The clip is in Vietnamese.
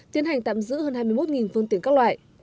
tiến hành tạm giữ hơn hai mươi một phương tiện các loại